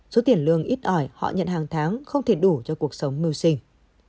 số tiền lương ít ỏi họ nhận hàng tháng không thể đủ cho cuộc sống mưu sinh